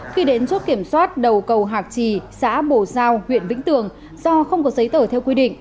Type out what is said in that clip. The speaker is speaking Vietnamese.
khi đến chốt kiểm soát đầu cầu hạc trì xã bồ giao huyện vĩnh tường do không có giấy tờ theo quy định